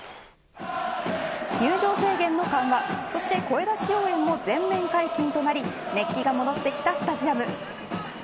入場制限の緩和、そして声出し応援も全面解禁となり熱気が戻ってきたスタジアム。